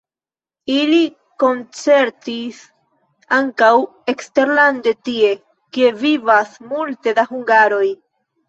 Ili koncertis ankaŭ eksterlande tie, kie vivas multe da hungaroj.